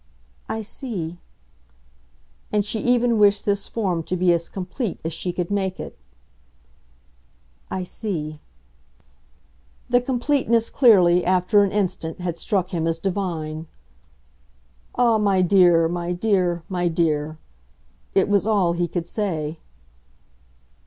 "I see." And she even wished this form to be as complete as she could make it. "I see." The completeness, clearly, after an instant, had struck him as divine. "Ah, my dear, my dear, my dear !" It was all he could say.